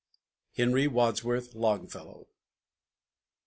HENRY WADSWORTH LONGFELLOW.